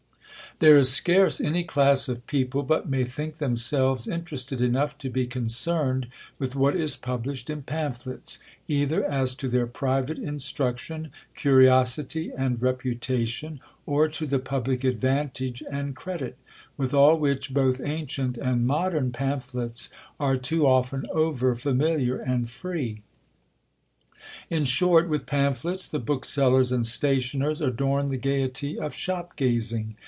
There is scarce any class of people but may think themselves interested enough to be concerned with what is published in pamphlets, either as to their private instruction, curiosity, and reputation, or to the public advantage and credit; with all which both ancient and modern pamphlets are too often over familiar and free. In short, with pamphlets the booksellers and stationers adorn the gaiety of shop gazing.